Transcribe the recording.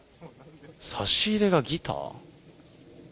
差し入れがギター？